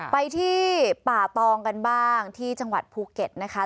ไปที่ป่าตองกันบ้างที่จังหวัดภูเก็ตนะคะ